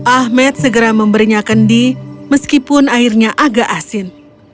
ahmed segera memberinya kendi meskipun airnya agak asin